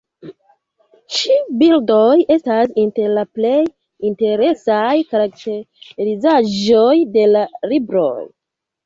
Ĉi-bildoj estas inter la plej interesaj karakterizaĵoj de la libroj.